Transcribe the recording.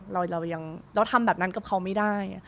เราทำแบบนั้นกับเขาไม่ได้